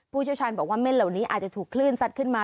เชี่ยวชาญบอกว่าเม่นเหล่านี้อาจจะถูกคลื่นซัดขึ้นมา